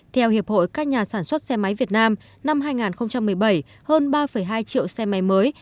theo hiệp hội các nhà sản xuất xe máy việt nam năm hai nghìn một mươi bảy hơn ba hai triệu xe máy mới